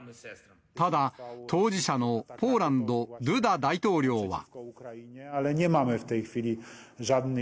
ただ、当事者のポーランド、ドゥダ大統領は。